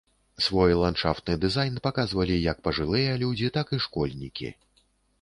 Свой ландшафтны дызайн паказвалі як пажылыя людзі, так і школьнікі.